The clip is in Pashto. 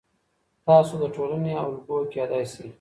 تاسو د ټولنې الګو کیدی سئ.